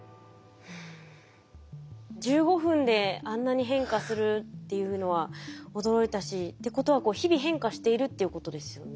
１５分であんなに変化するっていうのは驚いたしってことは日々変化しているっていうことですよね。